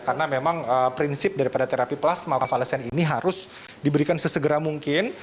karena memang prinsip daripada terapi plasma konvalesen ini harus diberikan sesegera mungkin